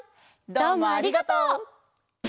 どうもありがとう！